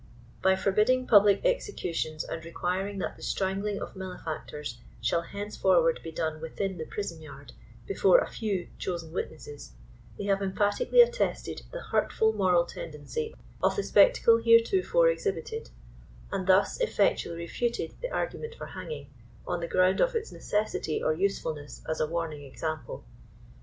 By forbidding public executions and requiring that the strangling of malefactors shall henceforward be done within the prison yard, before a few chosen witnesses, they have emphatically attested the hurtful moral tendency of the spectacle heretofore exhibited, and thus effectually refuted the argument for hanging, on the ground of its necessity or usefulness as a warning exaipple.